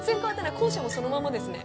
校舎もそのままですね。